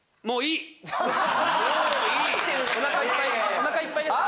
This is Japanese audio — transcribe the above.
「もういい」。